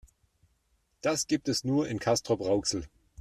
Das gibt es nur in Castrop-Rauxel